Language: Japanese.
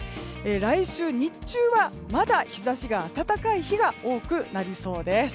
来週、日中はまだ日差しが暖かい日が多くなりそうです。